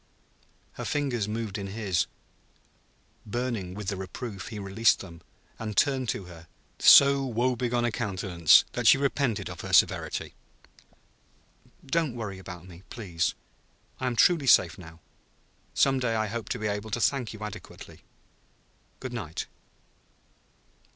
Her fingers moved in his; burning with the reproof, he released them, and turned to her so woebegone a countenance that she repented of her severity. "Don't worry about me, please. I am truly safe now. Some day I hope to be able to thank you adequately. Good night!"